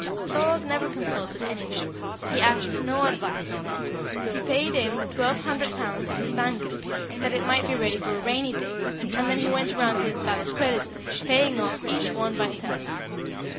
Thorold never consulted any one; he asked no advice; he paid in twelve hundred pounds at his banker's, that it might be ready for a rainy day, and then he went around to his father's creditors, paying off each one by turn.